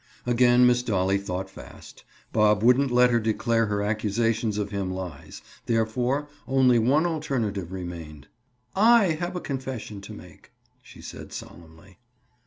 Again Miss Dolly thought fast. Bob wouldn't let her declare her accusations of him lies; therefore only one alternative remained. "I have a confession to make," she said solemnly.